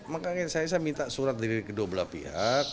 makanya saya minta surat dari kedua belah pihak